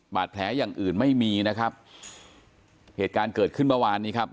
อย่างอื่นไม่มีนะครับเหตุการณ์เกิดขึ้นเมื่อวานนี้ครับ